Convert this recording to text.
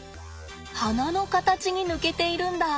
花の形に抜けているんだ。